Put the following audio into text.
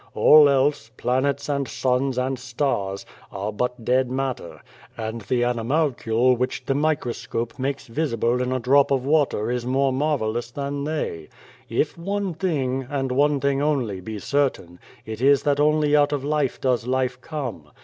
All else planets and suns and stars are but dead matter ; and the animalcule which the 98 The Face Beyond the Door microscope makes visible in a drop of water is more marvellous than they. If one thing, and one thing only, be certain, it is that only out of life does life come.